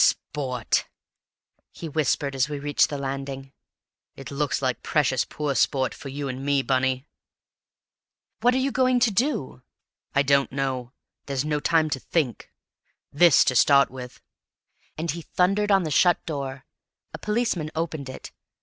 Sport!" he whispered as we reached the landing. "It looks like precious poor sport for you and me, Bunny!" "What are you going to do?" "I don't know. There's no time to think. This, to start with." And he thundered on the shut door; a policeman opened it.